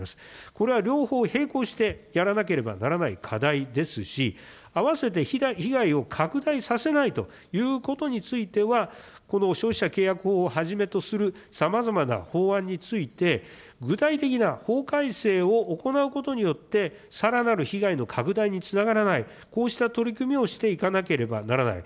これは両方、並行してやらなければならない課題ですし、併せて被害を拡大させないということについては、この消費者契約法をはじめとするさまざまな法案について、具体的な法改正を行うことによって、さらなる被害の拡大につながらない、こうした取り組みをしていかなければならない。